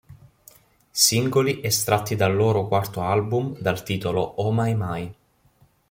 Singoli estratti dal loro quarto album dal titolo "Oh My My".